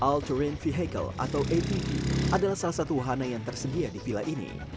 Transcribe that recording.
all terrain vehicle atau atp adalah salah satu wahana yang tersedia di vila ini